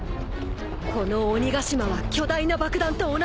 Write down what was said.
この鬼ヶ島は巨大な爆弾と同じさ。